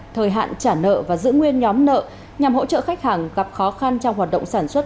thời hạn trả nợ và giữ nguyên nhóm nợ nhằm hỗ trợ khách hàng gặp khó khăn trong hoạt động sản xuất